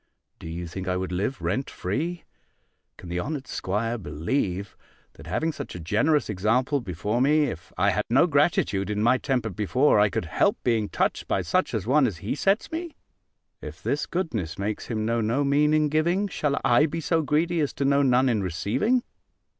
Do you think I would live rent free? Can the honoured 'squire believe, that having such a generous example before me, if I had no gratitude in my temper before, I could help being touched by such an one as he sets me? If this goodness makes him know no mean in giving, shall I be so greedy as to know none in receiving?